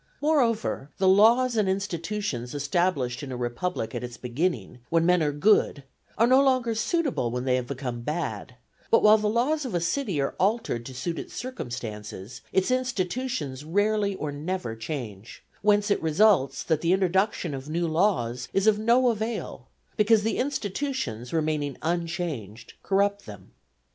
Moreover, the laws and institutions established in a republic at its beginning, when men were good, are no longer suitable when they have become bad; but while the laws of a city are altered to suit its circumstances, its institutions rarely or never change; whence it results that the introduction of new laws is of no avail, because the institutions, remaining unchanged, corrupt them.